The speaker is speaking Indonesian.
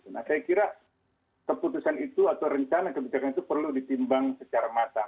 nah saya kira keputusan itu atau rencana kebijakan itu perlu ditimbang secara matang